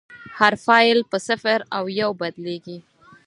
هر فایل په صفر او یو بدلېږي.